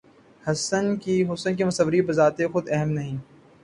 حسن کی مصوری بذات خود اہم نہیں